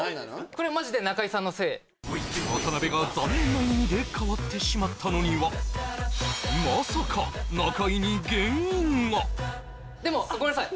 これはマジで中居さんのせい渡辺が残念な意味で変わってしまったのにはまさか中居に原因がでもごめんなさい